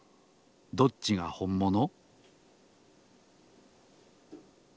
どっちがほんもの？